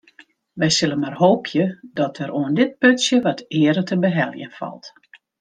We sille mar hoopje dat der oan dit putsje wat eare te beheljen falt.